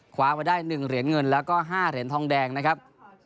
คว้ามาได้๑เหรียญเงินแล้วก็๕เหรียญทองแดงนะครับ